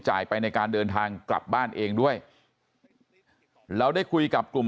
ไปในการเดินทางกลับบ้านเองด้วยเราได้คุยกับกลุ่ม